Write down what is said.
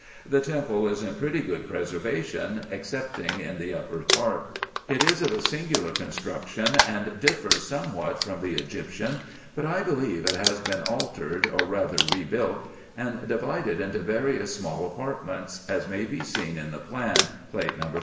The temple is in pretty good preservation, excepting in the upper part : it is of a singular construction, and differs somewhat from the Egyptian ; but I believe it has been altered, or rather rebuilt, and divided into various small apartments, as may be seen in the plan, Plate No.